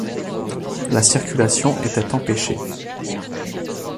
La circulation était empêchée.